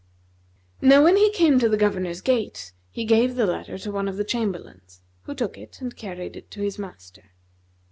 Now when he came to the Governor's gate, he gave the letter to one of the Chamberlains, who took it and carried it to his master.